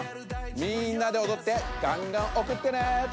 みんなでおどってがんがんおくってね！